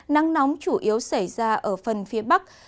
nắng nóng chủ yếu xảy ra ở phần phía bắc